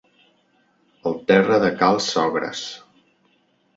El terra de cals sogres.